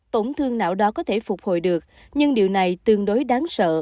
tổn thương não đó có thể phục hồi được nhưng điều này tương đối đáng sợ